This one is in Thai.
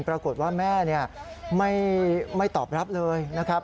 ปรากฏว่าแม่ไม่ตอบรับเลยนะครับ